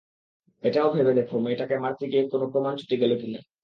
এটাও ভেবে দেখো, মেয়েটাকে মারতে গিয়ে কোনো প্রমান ছুটে গেল কিনা?